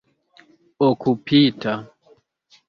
okupita